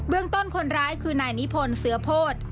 เบื้องต้นคนร้ายคือนายนิพนศ์เสื้อโพธิ์